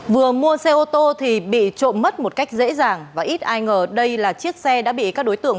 vừa mua xe ô tô thì bị trộm mất một cách dễ dàng và ít ai ngờ đây là chiếc xe đã bị các đối tượng